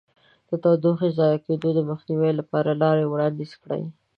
د تودوخې ضایع کېدو د مخنیوي لپاره لارې وړاندیز کړئ.